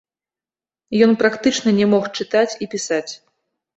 Ён практычна не мог чытаць і пісаць.